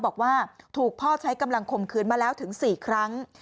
บอกว่าถูกพ่อใช้กำลังข่มขืนมาแล้วถึง๔ครั้ง